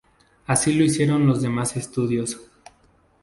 Así lo hicieron los demás estudios.